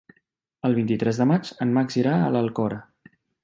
El vint-i-tres de maig en Max irà a l'Alcora.